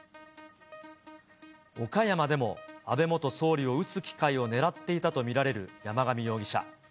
岡山でも安倍元総理を撃つ機会を狙っていたと見られる山上容疑者。